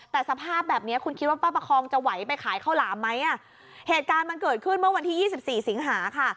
แต่สภาพแบบเนี้ยคุณคิดว่าป้าประคองจะไหวไปขายข้าวหลามไหมอ่ะเหตุการณ์มันเกิดขึ้นเมื่อวันที่ยี่สิบสี่สิงหาค่ะ